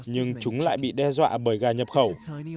nhưng chúng lại bị đe dọa bởi gà nhập khẩu